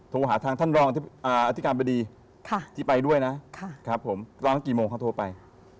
โทรหาทางท่านรองอธิการบดีที่ไปด้วยนะครับผมรอสักกี่โมงเขาโทรไป